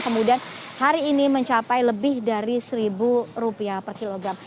kemudian hari ini mencapai lebih dari rp satu per kilogram